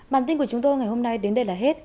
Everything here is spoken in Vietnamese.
bản tin của chúng tôi ngày hôm nay đến đây là hết